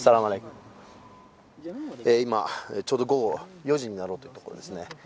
今ちょうど午後４時になろうというところですね。